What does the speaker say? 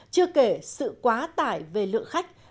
chưa kể sự quá tải về lượng khách